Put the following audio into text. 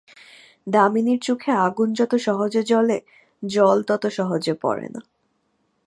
দামিনীর চোখে আগুন যত সহজে জ্বলে, জল তত সহজে পড়ে না।